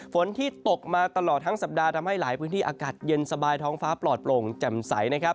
ฝนที่ตกมาตลอดทั้งสัปดาห์ทำให้หลายพื้นที่อากาศเย็นสบายท้องฟ้าปลอดโปร่งแจ่มใสนะครับ